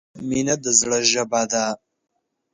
• مینه د زړۀ ژبه ده.